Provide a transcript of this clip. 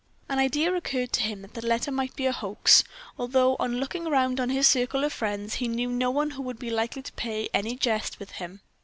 An idea occurred to him that the letter might be a hoax, although on looking round on his circle of friends, he knew no one who would be likely to play any jest with him.